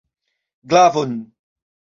Glavon!